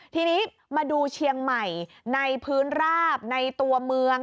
ทีนี้มาดูเชียงใหม่ในพื้นราบในตัวเมือง